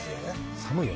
寒いよね。